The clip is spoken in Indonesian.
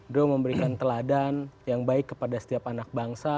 do memberikan teladan yang baik kepada setiap anak bangsa